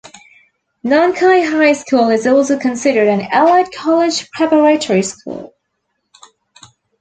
Nankai High School is also considered an elite college-preparatory school.